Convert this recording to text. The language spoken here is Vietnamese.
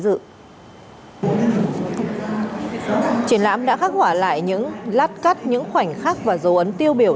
triển lãm đã khắc họa lại những lát cắt những khoảnh khắc và dấu ấn tiêu biểu